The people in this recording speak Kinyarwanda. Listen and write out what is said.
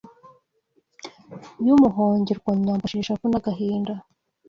Y’Umuhongerwanyambo Shira ishavu n’agahinda